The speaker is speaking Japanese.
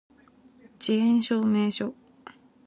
遅延証明書